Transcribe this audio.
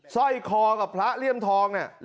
สร้อยคอกับพระเลี่ยมทองเนี่ย